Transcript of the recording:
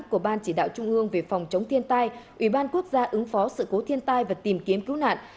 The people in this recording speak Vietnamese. của ban chỉ đạo trung ương về phòng chống thiên tai ủy ban quốc gia ứng phó sự cố thiên tai và tìm kiếm cứu nạn